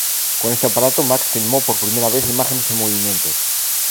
Con este aparato, Max filmó por primera vez imágenes en movimiento.